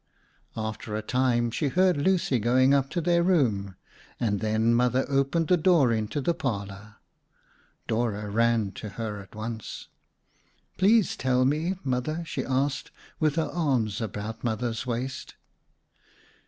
After a time, she heard Lucy going up to their room and then Mother opened the door into the parlor. Dora ran to her at once. "Please tell me, Mother," she asked, with her arms about Mother's waist.